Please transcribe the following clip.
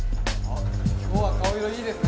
今日は顔色いいですね